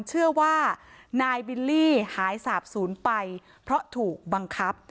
เชื่อว่านายบิลลี่หายสาบศูนย์ไปเพราะถูกบังคับ